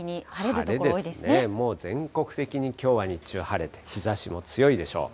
晴れですね、もう全国的にきょうは日中、晴れて、日ざしも強いでしょう。